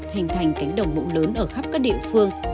hình thành cánh đồng mộng lớn ở khắp các địa phương